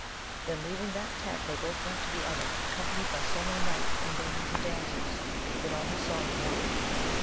Then leaving that tent they both went to the other, accompanied by so many knights, and dames and damsels, that all who saw them wondered.